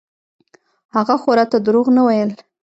هغه خو راته دروغ نه ويل.